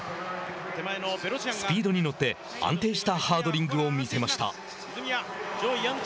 スピードに乗って安定したハードリングを見せました。